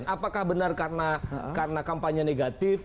apakah benar karena kampanye negatif